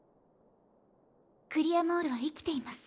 グリアモールは生きています。